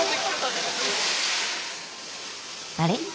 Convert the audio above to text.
あれ？